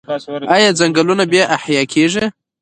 آیا ځنګلونه بیا احیا کیږي؟